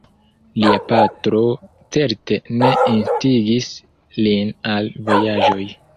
Lia patro certe ne instigis lin al vojaĝoj.